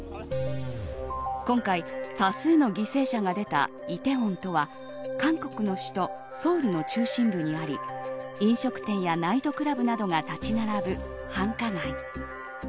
今回、多数の犠牲者が出たイテウォンとは韓国の首都ソウルの中心部にあり飲食店やナイトクラブなどが立ち並ぶ繁華街。